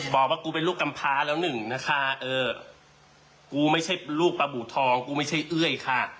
บอกว่ากูเป็นลูกกำพาแล้วหนึ่งนะคะเออกูไม่ใช่ลูกปลาบูทองกูไม่ใช่เอ้ยค่ะ